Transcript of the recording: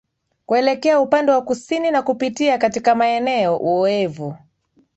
kuelekea upande wa kusini na kupitia katika maeneo oevu